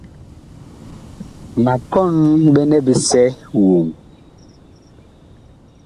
Ma kɔn ɓɛnɛ bisɛ woŋ.